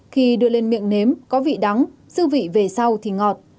khi đưa lên miệng nếm có vị đắng sư vị về sau thì ngọt